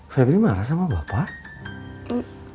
febri marah sama bapak